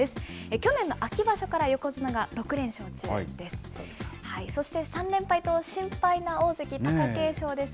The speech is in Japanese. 去年の秋場所から横綱が６連勝中です。